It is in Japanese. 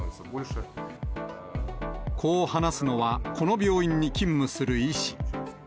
こう話すのは、この病院に勤務する医師。